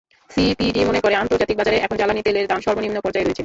CPD মনে করে, আন্তর্জাতিক বাজারে এখন জ্বালানি তেলের দাম সর্বনিম্ন পর্যায়ে রয়েছে।